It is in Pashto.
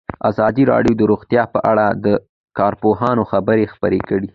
ازادي راډیو د روغتیا په اړه د کارپوهانو خبرې خپرې کړي.